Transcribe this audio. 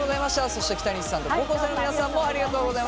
そして北西さんと高校生の皆さんもありがとうございました。